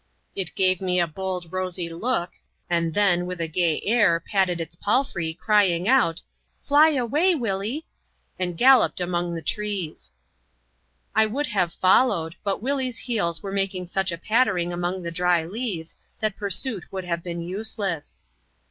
It gave me a bold, rosy look ; and then, with a gay air, patted its palfrey, crying out, "Fly away, Willie T' and galloped among the trees. I would have followed ; but Willie's heels were making such a pattering among the dry leaves, that pursuit would have been useless.